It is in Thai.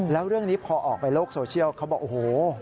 แล้วเรื่องนี้พอออกไปโลกโซเชียลเขาบอกโอ้โห